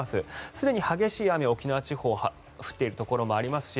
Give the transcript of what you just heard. すでに激しい雨、沖縄地方降っているところもありますし